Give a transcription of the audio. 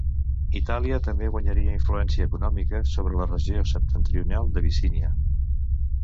Itàlia també guanyaria influència econòmica sobre la regió septentrional d'Abissínia.